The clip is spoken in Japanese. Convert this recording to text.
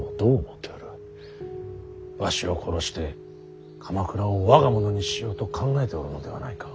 わしを殺して鎌倉を我が物にしようと考えておるのではないか。